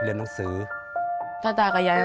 แล้วก็กลับมาเลือกหนังสืออยู่ตรงนั้น